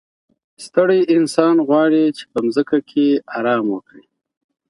ستړی انسان غواړي چي په ځمکه ارام وکړي.